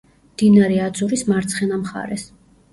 მდინარე აძურის მარცხენა მხარეს.